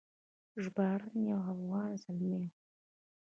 ژباړن یو افغان زلمی و.